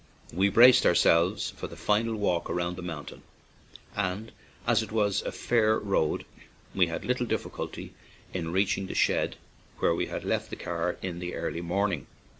We braced ourselves for the final walk round the mountain, and as it was a fair road we had little dif ficulty in reaching the shed where we had left the car in the early morning.